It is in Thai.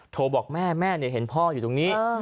โทรบอกแม่แม่เห็นพ่ออยู่ตรงนี้